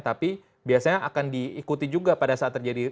tapi biasanya akan diikuti juga pada saat terjadi